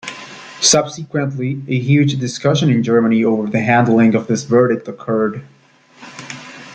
Subsequently, a huge discussion in Germany over the handling of this verdict occurred.